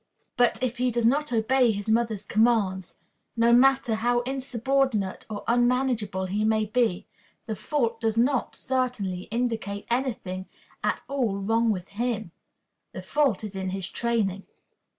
But if he does not obey his mother's commands no matter how insubordinate or unmanageable he may be the fault does not, certainly, indicate any thing at all wrong in him. The fault is in his training.